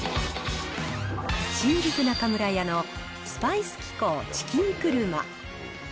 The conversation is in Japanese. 新宿中村屋のスパイス紀行チキンクルマ。